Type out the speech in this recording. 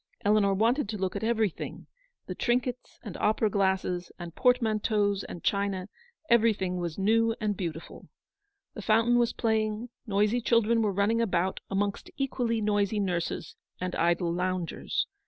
Eleanor wanted to look at everything, the trinkets, and opera glasses, and portmanteaus, and china, — everything was new and beautiful. The fountain was playing ; noisy children were running about 80 amongst equally noisy nurses and idle loungers.